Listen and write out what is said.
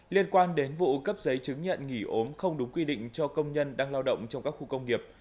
liên quan đến vụ cấp giấy chứng nhận nghỉ ốm không đúng quy định cho công nhân đang lao động trong các khu công nghiệp